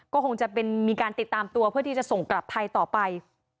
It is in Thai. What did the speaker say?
ก็คงจะเป็นมีการติดตามตัวเพื่อที่จะส่งกลับไทยต่อไป